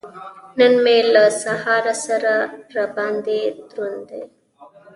نن مې له سهاره سر را باندې دروند دی.